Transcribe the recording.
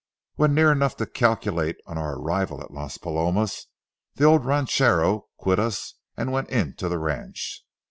When near enough to calculate on our arrival at Las Palomas, the old ranchero quit us and went on into the ranch.